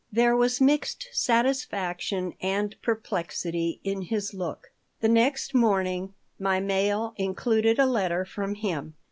There was mixed satisfaction and perplexity in his look The next morning my mail included a letter from him.